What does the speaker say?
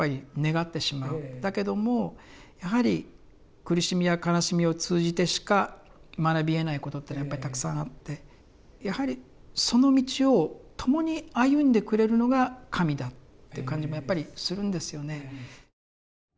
だけどもやはり苦しみや悲しみを通じてしか学びえないことっていうのはやっぱりたくさんあってやはりその道を共に歩んでくれるのが神だっていう感じもやっぱりするんですよね。